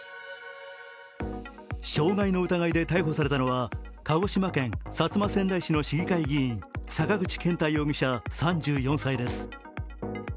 傷害の疑いで逮捕されたのは鹿児島県薩摩川内市の市議会議員坂口健太容疑者３４歳です。